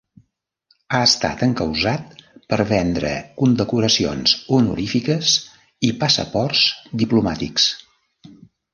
Ha estat encausat per vendre condecoracions honorífiques i passaports diplomàtics.